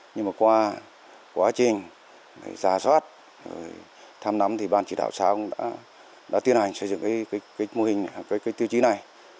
nhưng mà qua quá trình giả soát thăm nắm thì ban chỉ đạo xã cũng đã tiến hành xây dựng cái mô hình tiêu chí này